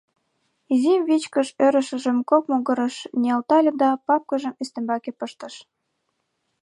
Изи вичкыж ӧрышыжым кок могырыш ниялтале да папкыжым ӱстембаке пыштыш.